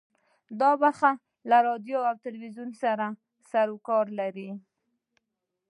دا برخه له ټلیفون او راډیو سره سروکار لري.